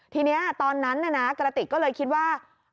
ทีนี้ตอนนั้นกระติกก็เลยคิดว่า